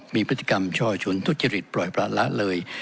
มีพฤติกรรมช่อชนทุจริตปล่อยประละเลย